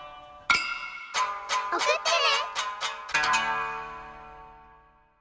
おくってね。